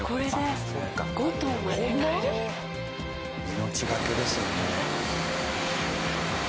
命懸けですね。